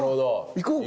行こうか。